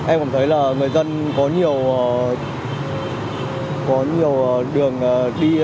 em cảm thấy là người dân có nhiều đường đi